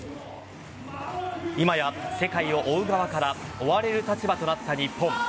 今や世界を追う側から追われる立場となった日本。